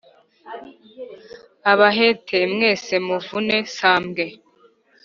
Abahete mwese muvune sambwe